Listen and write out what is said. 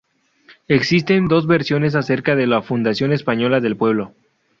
Existen dos versiones acerca de la fundación española del pueblo.